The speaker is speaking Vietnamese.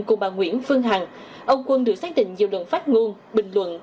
cùng bà nguyễn phương hằng ông quân được xác định nhiều lần phát ngôn bình luận